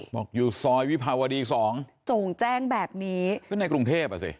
บอกอยู่ซอยวิภาวดีสองโจ่งแจ้งแบบนี้ก็ในกรุงเทพอ่ะสิ